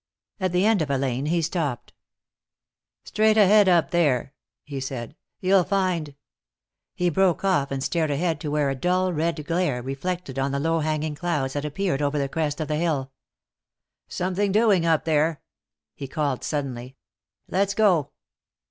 At the end of a lane he stopped. "Straight ahead up there," he said. "You'll find " He broke off and stared ahead to where a dull red glare, reflected on the low hanging clouds, had appeared over the crest of the hill. "Something doing up there," he called suddenly. "Let's go."